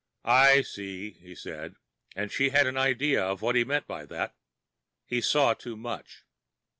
"I see," he said, and she had an idea of what he meant by that. He saw too much.